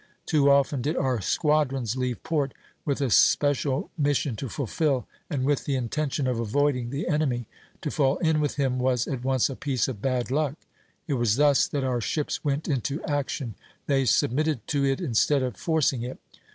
Too often did our squadrons leave port with a special mission to fulfil, and with the intention of avoiding the enemy; to fall in with him was at once a piece of bad luck. It was thus that our ships went into action; they submitted to it instead of forcing it....